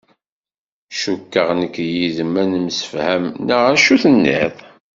Cukkeɣ nekk yid-m ad nemsefham, neɣ acu tenniḍ?